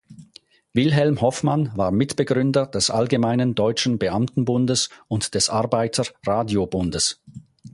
Wilhelm Hoffmann war Mitbegründer des Allgemeinen Deutschen Beamtenbundes und des Arbeiter-Radio-Bundes.